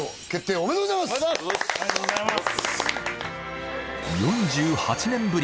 ありがとうございます。